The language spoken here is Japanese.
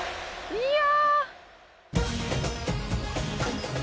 いや！